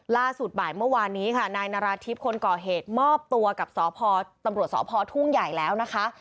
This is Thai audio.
ล่าสุดบ่ายเมื่อวานนี้ค่ะนายนาราธิบคนก่อเหตุมอบตัวกับสพตำรวจสพทุ่งใหญ่แล้วนะคะ